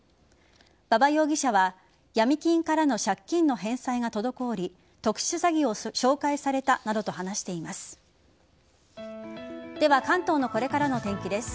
馬場容疑者はヤミ金からの借金の返済が滞り特殊詐欺を紹介されたなどと話しています。